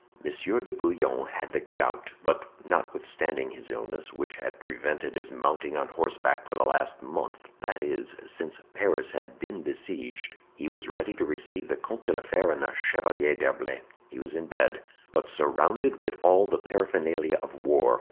Monsieur de Bouillon had the gout, but notwithstanding his illness, which had prevented his mounting on horseback for the last month— that is, since Paris had been besieged—he was ready to receive the Comte de la Fere and the Chevalier d'Herblay. He was in bed, but surrounded with all the paraphernalia of war.